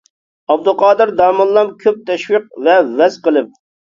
ئابدۇقادىر داموللام كۆپ تەشۋىق ۋە ۋەز قىلىپ.